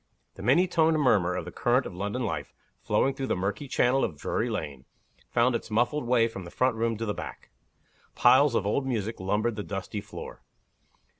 THE many toned murmur of the current of London life flowing through the murky channel of Drury Lane found its muffled way from the front room to the back. Piles of old music lumbered the dusty floor.